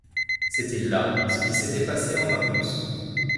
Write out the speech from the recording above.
C’était là ce qui s’était passé en Marius.